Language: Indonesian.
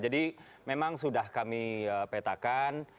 jadi memang sudah kami petakan